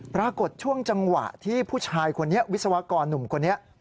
ปรากฏช่วงจังหวะที่ผู้ชายคนนี้วิศวกรหนุ่มคนนี้